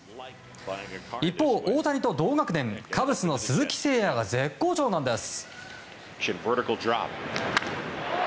一方、大谷と同学年カブスの鈴木誠也が絶好調なんです。